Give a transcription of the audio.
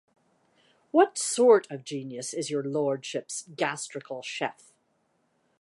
What sort of genius is your Lordship's gastrical chef?